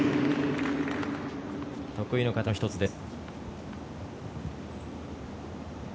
得意の形の１つです。